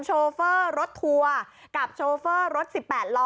โชเฟอร์รถทัวร์กับโชเฟอร์รถ๑๘ล้อ